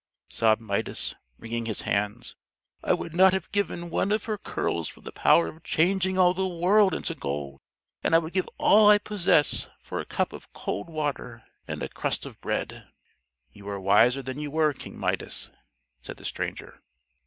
sobbed Midas, wringing his hands. "I would not have given one of her curls for the power of changing all the world into gold, and I would give all I possess for a cup of cold water and a crust of bread." "You are wiser than you were, King Midas," said the stranger.